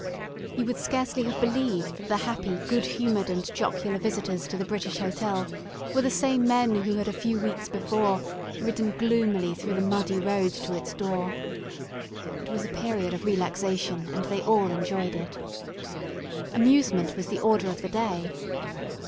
You would scarcely have believed that the happy, good humoured, and jocular visitors to the British Hotel were the same men who had a few weeks before ridden gloomily through the muddy road to its door. It was a period of relaxation, and they all enjoyed it. Amusement was the order of the day.